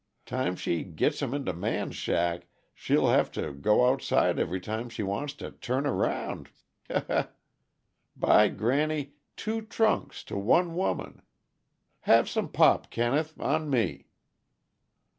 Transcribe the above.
Time she gits 'em into Man's shack she'll have to go outside every time she wants to turn around he he! By granny two trunks, to one woman! Have some pop, Kenneth, on me.